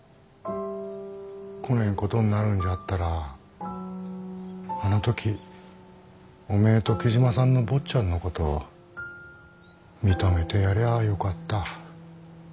こねんことになるんじゃったらあの時おめえと雉真さんの坊ちゃんのこと認めてやりゃあよかった。